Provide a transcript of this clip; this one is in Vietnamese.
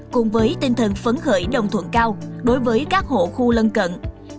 cùng với tinh thần phấn khởi đồng thuận cao đối với các hộ khu lân cận